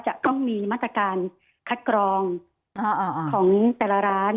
จะต้องมีมาตรการคัดกรองของแต่ละร้าน